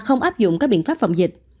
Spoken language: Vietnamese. họ không áp dụng các biện pháp phòng dịch